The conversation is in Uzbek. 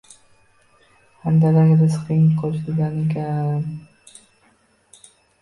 – Handalakka rizqing qo‘shilganakan